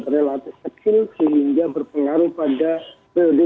dua ribu dua puluh dua relatif kecil sehingga berpengaruh pada preode dua ribu tiga